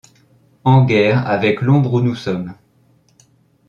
En guerre avec l'ombre où nous sommes